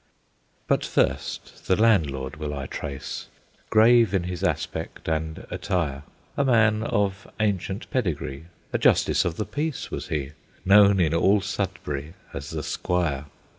But first the Landlord will I trace; Grave in his aspect and attire; A man of ancient pedigree, A Justice of the Peace was he, Known in all Sudbury as "The Squire."